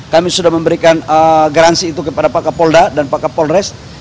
kami sudah memberikan garansi itu kepada pak kapolda dan pak kapolres